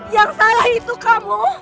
yang salah itu kamu